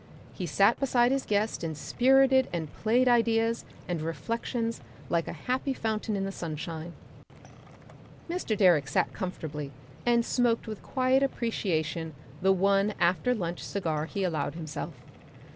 He sat beside his guest and spirted and played ideas and reflections like a happy fountain in the sunshine. Mr. Direck sat comfortably, and smoked with quiet appreciation the one after lunch cigar he allowed himself.